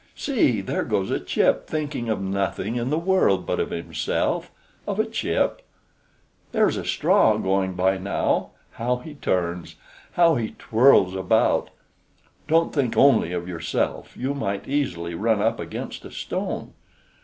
See, there goes a chip thinking of nothing in the world but of himself of a chip! There's a straw going by now. How he turns! how he twirls about! Don't think only of yourself, you might easily run up against a stone.